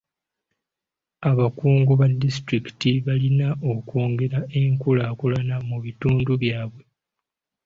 Abakungu ba disitulikiti balina okwongera enkulaakulana mu bitundu byabwe.